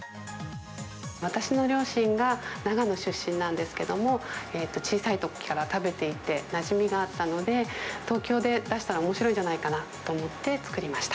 私の両親が長野出身なんですけども、小さいときから食べていて、なじみがあったので、東京で出したらおもしろいんじゃないかなと思って作りました。